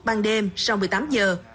ban đêm sau một mươi tám giờ